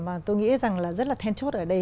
mà tôi nghĩ rằng là rất là then chốt ở đây